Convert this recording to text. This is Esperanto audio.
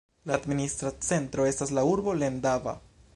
La administra centro estas la urbo Lendava.